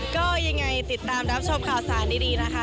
ก็ยังไงติดตามรับชมข่าวสารดีนะคะ